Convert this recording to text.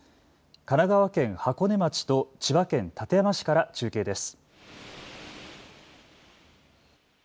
神奈川県箱根町と千葉県館山市から中継です。